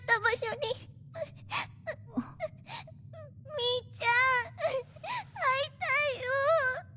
ミーちゃん会いたいよぉ。